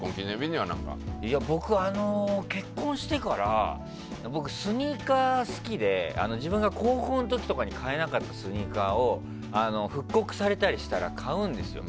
僕、結婚してから僕はスニーカーが好きで自分が高校の時とかに買えなかったスニーカーを復刻されたりしたら買うんですよ。